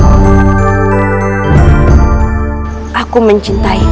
aku harus mencintaimu